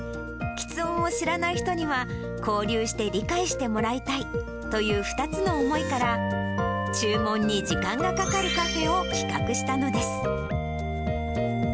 きつ音を知らない人には交流して理解してもらいたいという２つの思いから、注文に時間がかかるカフェを企画したのです。